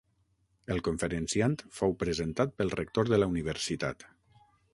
El conferenciant fou presentat pel rector de la Universitat.